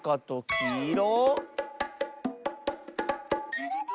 きいろ？